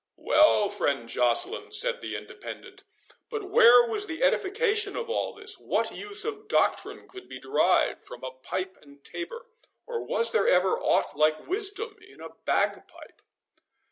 "Well, well, friend Joceline," said the Independent, "but where was the edification of all this?—what use of doctrine could be derived from a pipe and tabor? or was there ever aught like wisdom in a bagpipe?"